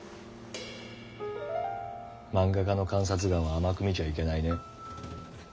漫画家の観察眼を甘く見ちゃいけないね。